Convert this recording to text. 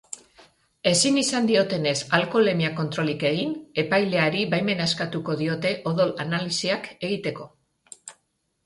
Ezin izan diotenez alkoholemia-kontrolik egin, epaileari baimena eskatuko diote odol-analisiak egiteko.